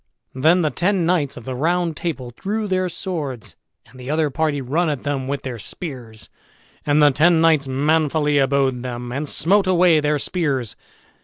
Then the ten knights of the Round Table drew their swords, and the other party run at them with their spears, and the ten knights manfully abode them, and smote away their spears.